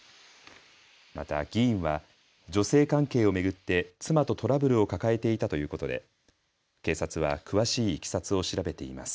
また議員は女性関係を巡って妻とトラブルを抱えていたということで警察は詳しいいきさつを調べています。